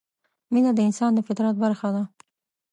مینه د انسان د فطرت برخه ده.